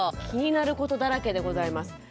気になることだらけでございます。